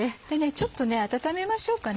ちょっと温めましょうかね。